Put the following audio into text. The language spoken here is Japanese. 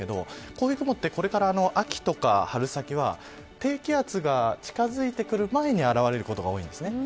こういう雲は秋とか春先は低気圧が近づいてくる前に現れることが多いです。